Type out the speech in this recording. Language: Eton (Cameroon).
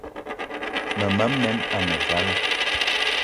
Mema men ane vala,